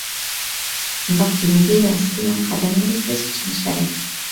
ئۇنداق دېمىگەيلا. سىلىنىڭ قەدەملىرى بىز ئۈچۈن شەرەپ!